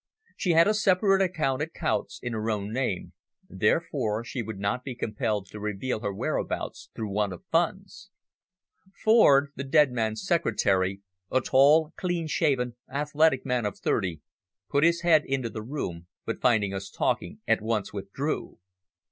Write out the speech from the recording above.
She had a separate account at Coutts' in her own name, therefore she would not be compelled to reveal her whereabouts through want of funds. Ford, the dead man's secretary, a tall, clean shaven, athletic man of thirty, put his head into the room, but, finding us talking, at once withdrew.